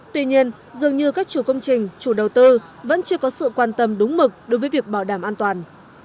tuy nhiên dường như các chủ công trình chủ đầu tư vẫn chưa có sự quan tâm đúng mực đối với việc bảo đảm an toàn